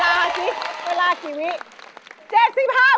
แล้วนี่เวลาที่เวลากี่วินาที